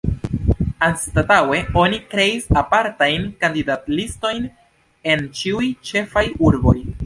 Anstataŭe oni kreis apartajn kandidatlistojn en ĉiuj ĉefaj urboj.